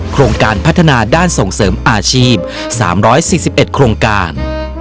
โครงการพัฒนาด้านส่งเสริมอาชีพ๓๔๑โครงการ